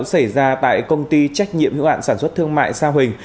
xảy ra tại công ty trách nhiệm hiệu ạn sản xuất thương mại sao hình